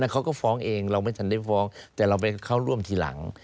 เขาก็ฟ้องเองเราไม่ทันได้ฟ้องแต่เราไปเข้าร่วมทีหลัง